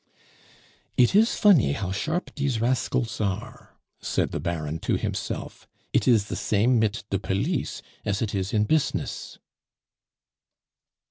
"It is funny how sharp dese rascals are!" said the Baron to himself; "it is de same mit de police as it is in buss'niss."